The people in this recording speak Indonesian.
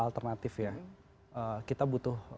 alternatif ya kita butuh